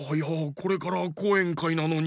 これからこうえんかいなのに。